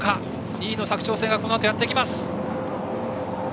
２位の佐久長聖がこのあとやってきます。